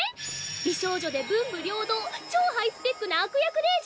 美少女で文武両道超ハイスペックな悪役令嬢。